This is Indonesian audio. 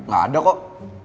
gak ada kok